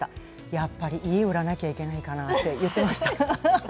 やっぱり家を売らなきゃいけないかなって言ってました。